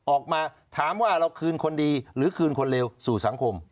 ออกมาถามว่าเราคืนคนดีหรือคืนคนเร็วสู่สังคม